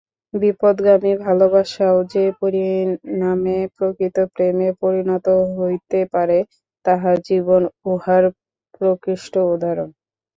বিপথগামী ভালবাসাও যে পরিণামে প্রকৃত প্রেমে পরিণত হইতে পারে তাঁহার জীবন উহার প্রকৃষ্ট উদাহরণ।